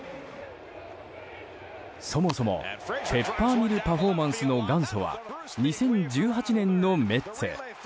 そもそもペッパーミル・パフォーマンスの元祖は２０１８年のメッツ。